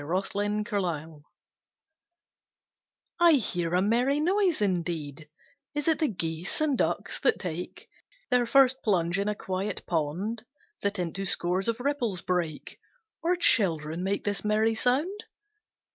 CHILDREN AT PLAY I hear a merry noise indeed: Is it the geese and ducks that take Their first plunge in a quiet pond That into scores of ripples break Or children make this merry sound?